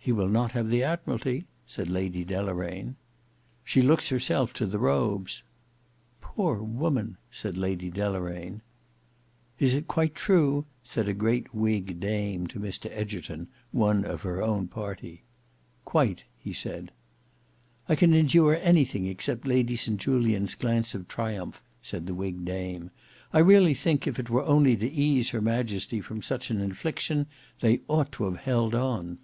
"He will not have the Admiralty," said Lady Deloraine. "She looks herself to the Robes." "Poor woman!" said Lady Deloraine. "Is it quite true?" said a great whig dame to Mr Egerton, one of her own party. "Quite," he said. "I can endure anything except Lady St Julian's glance of triumph," said the whig dame. "I really think if it were only to ease her Majesty from such an infliction, they ought to have held on."